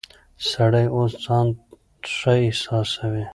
سړی اوس ځان ښه احساسوي.